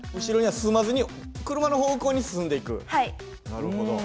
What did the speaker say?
なるほど。